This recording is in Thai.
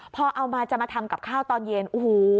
พอเอามาจะมาทำกับข้าวตอนเย็นโอ้โห